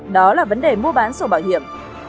đó là vấn đề mua bán sổ bảo hiểm